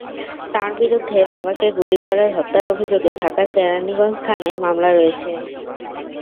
তাঁর বিরুদ্ধে বাবাকে গুলি করে হত্যার অভিযোগে ঢাকার কেরানীগঞ্জ থানায় মামলা রয়েছে।